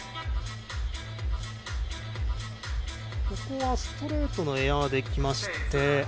ここはストレートエアできまして。